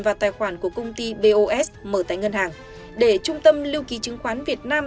và tài khoản của công ty bos mở tại ngân hàng để trung tâm lưu ký chứng khoán việt nam